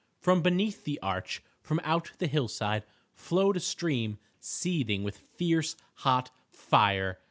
From beneath the arch, from out the hillside, flowed a stream seething with fierce, hot fire.